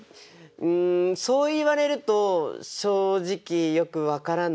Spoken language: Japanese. うんそう言われると正直よく分からないですね。